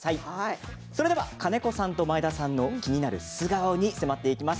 金子さんと前田さんの気になる素顔に迫ってまいります。